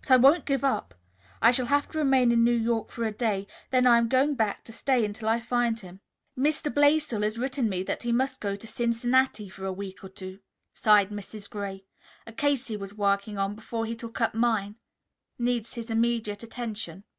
But I won't give up. I shall have to remain in New York for a day, then I am going back to stay until I find him." "Mr. Blaisdell has written me that he must go to Cincinnati for a week or two," sighed Mrs. Gray. "A case he was working on, before he took up mine, needs his immediate attention."